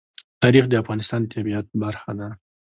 تاریخ د افغانستان د طبیعت برخه ده.